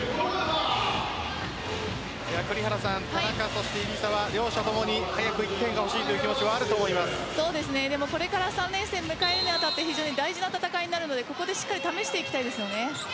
田中、入澤両者ともに早く１点が欲しいという気持ちはでも、これから３連戦、迎えるにあたって非常に大事な戦いになるのでここでしっかりと試していきたいですよね。